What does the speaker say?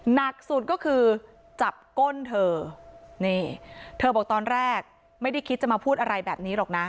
หนักสุดก็คือจับก้นเธอนี่เธอบอกตอนแรกไม่ได้คิดจะมาพูดอะไรแบบนี้หรอกนะ